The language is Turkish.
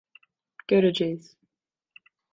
Göreceğiz.